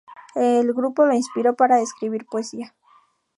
El grupo lo inspiró para escribir poesía.